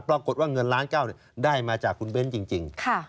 ปรากฏว่าเงินล้านเก้าได้มาจากคุณเบ้นจริง